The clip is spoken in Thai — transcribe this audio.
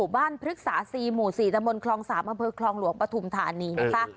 บ้านพฤกษาสี่หมู่สี่ตะมนต์ครองสามารถเพิ่งครองหลวงปฐุมธานีนะคะ